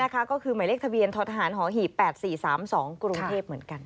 ก็คือหมายเลขทะเบียนททหารหอหีบ๘๔๓๒กรุงเทพเหมือนกัน